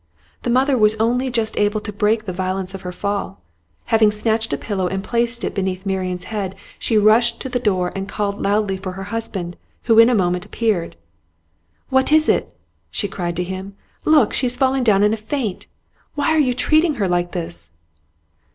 The mother was only just able to break the violence of her fall. Having snatched a pillow and placed it beneath Marian's head, she rushed to the door and called loudly for her husband, who in a moment appeared. 'What is it?' she cried to him. 'Look, she has fallen down in a faint. Why are you treating her like this?